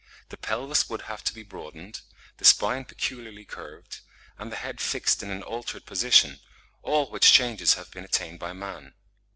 The pelvis would have to be broadened, the spine peculiarly curved, and the head fixed in an altered position, all which changes have been attained by man.